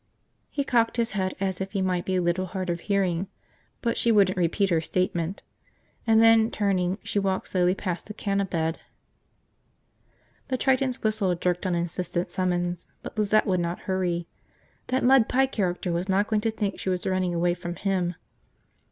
He cocked his head as if he might be a little hard of hearing; but she wouldn't repeat her statement, and then turning she walked slowly past the canna bed. The Triton's whistle jerked an insistent summons, but Lizette would not hurry. That mud pie character was not going to think she was running away from him.